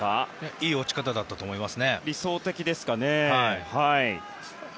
いい落ち方だったと思います。